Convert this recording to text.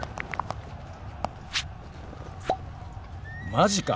マジか！